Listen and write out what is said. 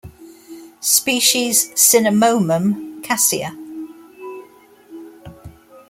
Species: Cinnamomum cassia.